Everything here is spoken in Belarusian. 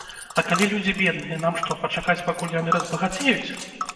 А калі людзі бедныя, нам што, пачакаць, пакуль яны разбагацеюць?